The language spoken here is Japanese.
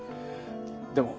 でも。